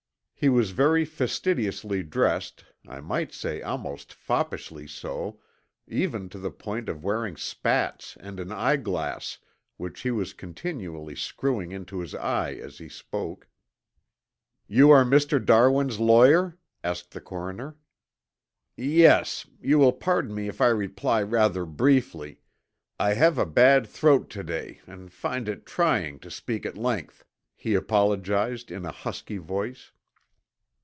He was very fastidiously dressed, I might say almost foppishly so, even to the point of wearing spats and an eyeglass, which he was continually screwing into his eye as he spoke. "You are Mr. Darwin's lawyer?" asked the coroner. "Yes. You will pardon me if I reply rather briefly. I have a bad throat to day and find it trying to speak at length," he apologized in a husky voice.